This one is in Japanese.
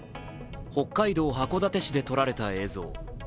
北海道函館市で撮られた映像。